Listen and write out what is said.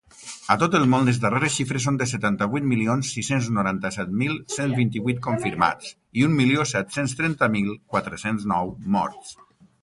A tot el món, les darreres xifres són de setanta-vuit milions sis-cents noranta-set mil cent vint-i-vuit confirmats i un milió set-cents trenta mil quatre-cents nou morts.